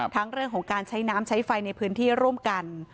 เรื่องของการใช้น้ำใช้ไฟในพื้นที่ร่วมกัน